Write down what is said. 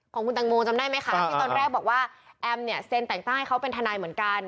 ของคุณตังโมจำได้ไหมคะที่ตอนแรกบอกว่าแอมเนี่ยเซ็นแต่งตั้งให้เขาเป็นทนายเหมือนกัน